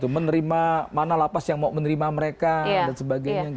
menerima mana lapas yang mau menerima mereka dan sebagainya